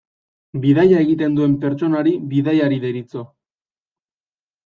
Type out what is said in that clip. Bidaia egiten duen pertsonari bidaiari deritzo.